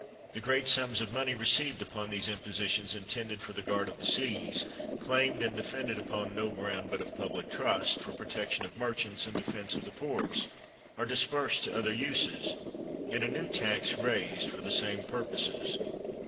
The great sums of money received upon these impositions, intended for the guard of the seas, claimed and defended upon no ground but of public trust, for protection of merchants and defense of the ports, are dispersed to other uses, and a new tax raised for the same purposes.